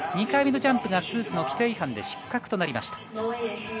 ２回目のジャンプがスーツの規定違反で失格となりました。